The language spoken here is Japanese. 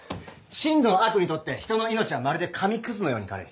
真の悪にとって人の命はまるで紙くずのように軽い。